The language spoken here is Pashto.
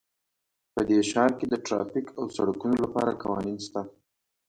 په دې ښار کې د ټرافیک او سړکونو لپاره قوانین شته